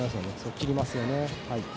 切りますよね。